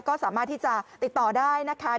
ก็สามารถที่จะติดต่อได้นะคะ